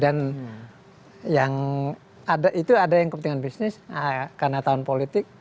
dan yang ada itu ada yang kepentingan bisnis karena tahun politik